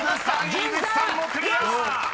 井口さんもクリア！］